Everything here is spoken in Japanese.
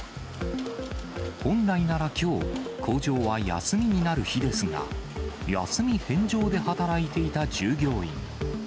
本来ならきょう、工場は休みになる日ですが、休み返上で働いていた従業員。